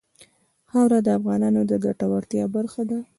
خاوره د افغانانو د ګټورتیا برخه ده.